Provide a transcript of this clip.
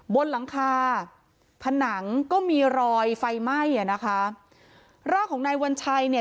บนหลังคาผนังก็มีรอยไฟไหม้อ่ะนะคะร่างของนายวัญชัยเนี่ย